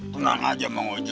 tenang aja mang ojo